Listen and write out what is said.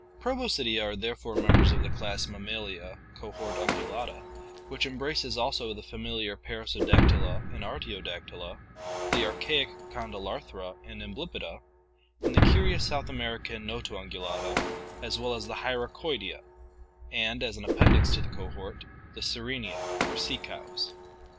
Proboscidea are therefore members of the class Mammalia, cohort Ungulata, which embraces also the familiar Perissodactyla and Ar tiodactyla, the archaic Condylarthra and Amblypoda, and the curious South American Notoungulata, as well as the Hyracoidea, and, as an appendix to the cohort, the Sirenia or sea cows.